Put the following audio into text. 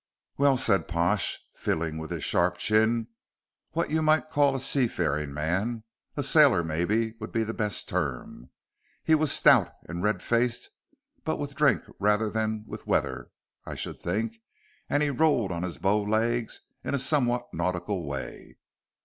"Well," said Pash, fiddling with his sharp chin, "what you might call a seafaring man. A sailor, maybe, would be the best term. He was stout and red faced, but with drink rather than with weather, I should think, and he rolled on his bow legs in a somewhat nautical way."